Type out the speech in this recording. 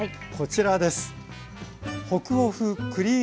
こちらです。